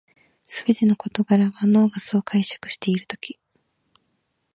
すべての事柄は脳がそう解釈しているだけ